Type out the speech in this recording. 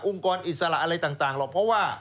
กรอิสระอะไรต่างหรอกเพราะว่า